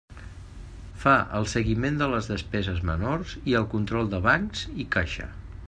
Fa el seguiment de les despeses menors i el control de bancs i caixa.